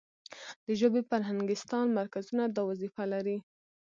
د ژبې فرهنګستان مرکزونه دا وظیفه لري.